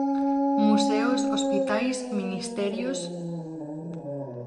Museos, hospitais, ministerios.